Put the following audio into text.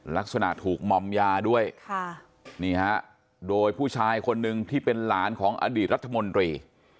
ลักษณะถูกมอมยาด้วยค่ะนี่ฮะโดยผู้ชายคนหนึ่งที่เป็นหลานของอดีตรัฐมนตรี